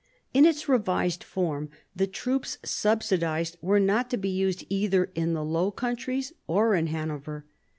In its revised form, the troops subsidised were not to be used either in the Low Countries or in Hanover.